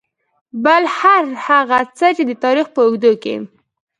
بل هر هغه څه چې د تاريخ په اوږدو کې .